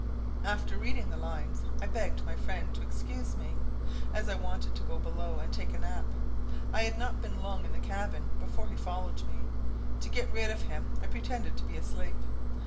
After reading the lines, I begged my friend to excuse me, as I wanted to go below and take a nap. I had not been long in the cabin before he followed me. To get rid of him I pretended to be asleep.